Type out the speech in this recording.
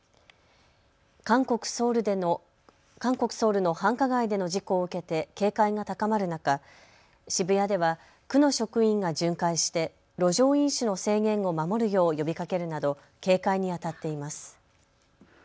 韓国・ソウルの繁華街での事故を受けて警戒が高まる中、渋谷では区の職員が巡回して路上飲酒の制限を守るよう呼びかけるなど警戒にあたっています。